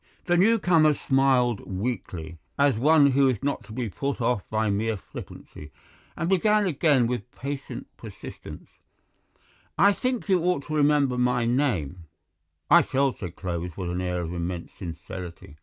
The new comer smiled weakly, as one who is not to be put off by mere flippancy, and began again with patient persistence: "I think you ought to remember my name—" "I shall," said Clovis, with an air of immense sincerity.